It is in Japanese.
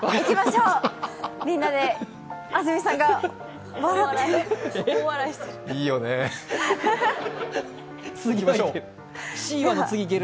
みんなで、安住さんが笑ってる。